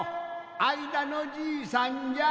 あいだのじいさんじゃ。